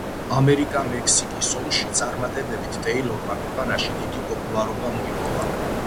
ამერიკა-მექსიკის ომში წარმატებებით ტეილორმა ქვეყანაში დიდი პოპულარობა მოიპოვა.